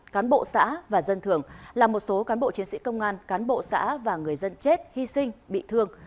cán bộ xã và dân thường là một số cán bộ chiến sĩ công an cán bộ xã và người dân chết hy sinh bị thương